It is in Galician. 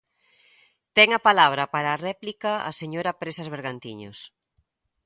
Ten a palabra, para a réplica, a señora Presas Bergantiños.